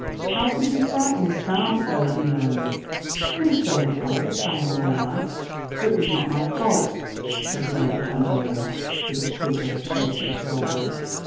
"How could you frighten the child so?" he murmured. "Please go and tell her that I am all right." "It was not my fault," said Lady Honoria with a shrug of her shapely shoulders.